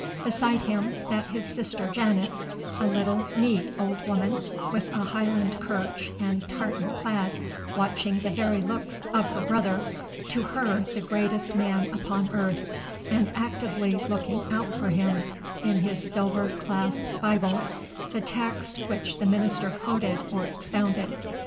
Beside him sat his sister Janet, a little neat old woman, with a Highland curch and tartan plaid, watching the very looks of her brother, to her the greatest man upon earth, and actively looking out for him, in his silver clasped Bible, the texts which the minister quoted or expounded.